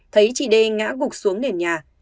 thấy chị d ngã gục xuống nền nhà